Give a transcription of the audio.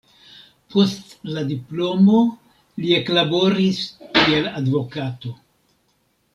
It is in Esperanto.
Post la diplomo li eklaboris kiel advokato.